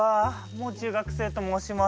もう中学生と申します。